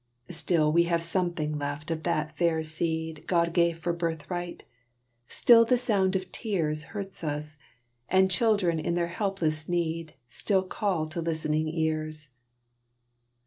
Still we have something left of that fair seed God gave for birthright; still the sound of tears Hurts us, and children in their helpless need Still call to listening ears.